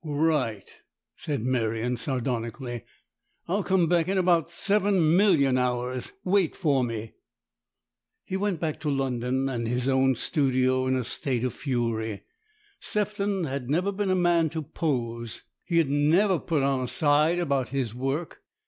" Right," said Merion, sardonically. " I'll come back in about seven million hours. Wait for me." He went back to London and his own studio in a state of fury. Sefton had never been a man to pose. He had never put on side about his work.